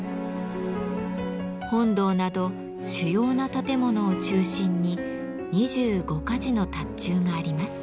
本堂など主要な建物を中心に２５か寺の塔頭があります。